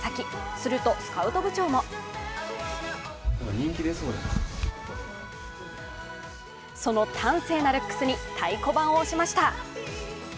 すると、スカウト部長もその端正なルックスに太鼓判を押しました。